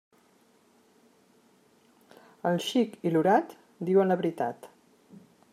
El xic i l'orat diuen la veritat.